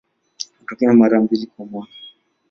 Hutokea mara mbili kwa mwaka.